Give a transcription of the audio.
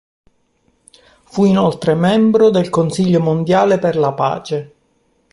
Fu inoltre membro del Consiglio Mondiale per la Pace.